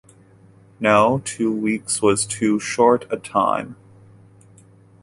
No, two weeks was too short a time.